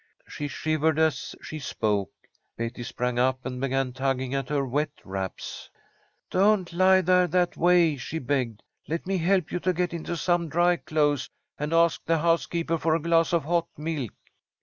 She shivered as she spoke. Betty sprang up and began tugging at her wet wraps. "Don't lie there that way," she begged. "Let me help you get into some dry clothes, and ask the housekeeper for a glass of hot milk."